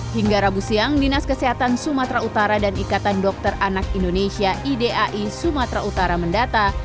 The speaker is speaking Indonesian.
hingga rabu siang dinas kesehatan sumatera utara dan ikatan dokter anak indonesia idai sumatera utara mendata